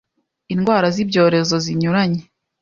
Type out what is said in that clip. indwara z ibyorezo zinyuranye